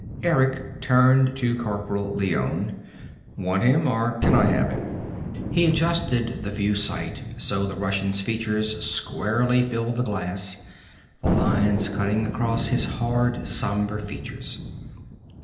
Eric turned to Corporal Leone. "Want him? Or can I have him?" He adjusted the view sight so the Russian's features squarely filled the glass, the lines cutting across his hard, somber features.